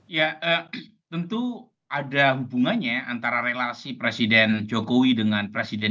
ya tentu ada hubungannya antara relasi presiden jokowi dengan presiden